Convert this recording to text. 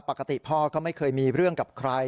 ไม่มีเคยไม่เคยมีเรื่องอะไรกับใคร